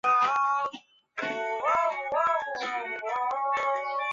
东晋葛洪是金丹道教的理论家与实践者。